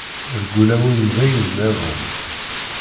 Deg ulawen d ayen nniḍen.